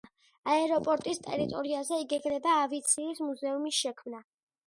აეროპორტის ტერიტორიაზე იგეგმება ავიაციის მუზეუმის შექმნა.